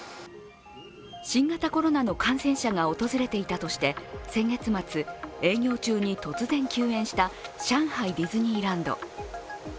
新型コロナの感染者が訪れていたとして先月末、営業中に突然休園した上海ディズニーランド。